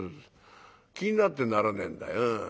「気になってならねえんだ。